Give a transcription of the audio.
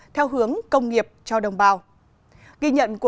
theo hướng công tác